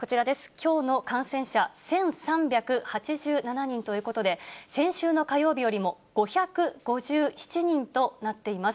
きょうの感染者１３８７人ということで、先週の火曜日よりも５５７人となっています。